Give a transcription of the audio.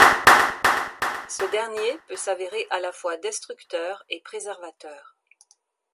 Ce dernier peut s'avérer à la fois destructeur et préservateur.